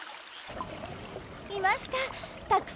いました！